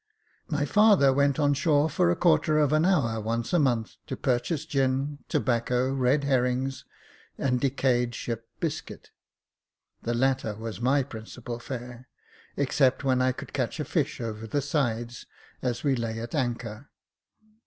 My father went on shore for a quarter of an hour once a month, to purchase gin, tobacco, red herrings, and decayed ship biscuit ;— the latter was my principal fare, except when I could catch a fish over the sides, as we lay at anchor.